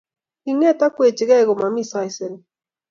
Kinget akwechikei komomi saisere